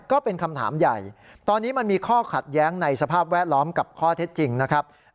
ก็เป็นคำถามใหญ่ตอนนี้มันมีข้อขัดแย้งในสภาพแวดล้อมกับข้อเท็จจริงนะครับ